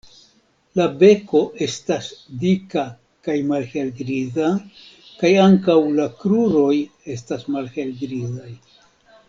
La beko estas dika kaj malhelgriza kaj ankaŭ la kruroj estas malhelgrizaj.